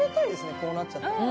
こうなっちゃったら。